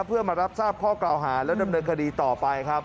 เพื่อมารับทราบข้อกล่าวหาและดำเนินคดีต่อไปครับ